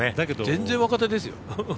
全然若手ですよ。